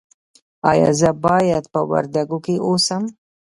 ایا زه باید په وردګو کې اوسم؟